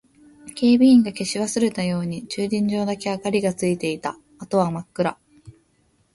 警備員が消し忘れたように駐輪場だけ明かりがついていた。あとは真っ暗。